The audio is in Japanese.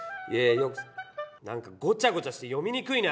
何かごちゃごちゃして読みにくいな。